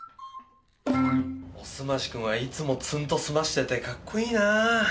おすまし君はいつもツンとすましてて格好いいな。